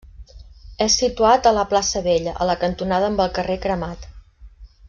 És situat a la plaça Vella, a la cantonada amb el carrer Cremat.